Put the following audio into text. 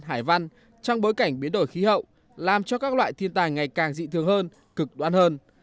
hải văn trong bối cảnh biến đổi khí hậu làm cho các loại thiên tài ngày càng dị thương hơn cực đoan hơn